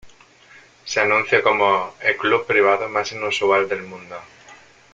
Se anuncia como "el club privado más inusual del mundo".